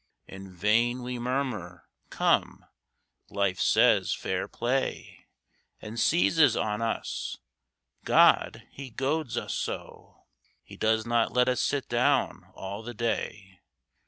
In vain we murmur; "Come," Life says, "Fair play!" And seizes on us. God! he goads us so! He does not let us sit down all the day.